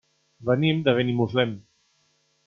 Venim de Benimuslem.